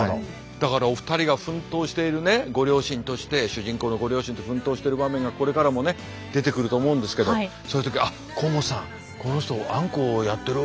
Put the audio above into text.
だからお二人が奮闘しているねご両親として主人公のご両親として奮闘してる場面がこれからもね出てくると思うんですけどそういう時あっ甲本さん